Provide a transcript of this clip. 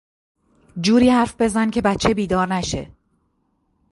جوری حرف بزن که بچه بیدار نشود.